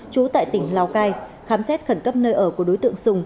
trú tại tỉnh lào cai khám xét khẩn cấp nơi ở của đối tượng sùng